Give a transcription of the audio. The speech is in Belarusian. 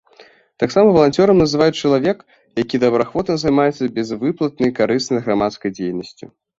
Таксама валанцёрам называюць чалавек, які добраахвотна займаецца бязвыплатнай карыснай грамадскай дзейнасцю.